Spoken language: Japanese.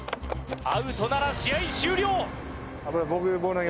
アウトなら試合終了。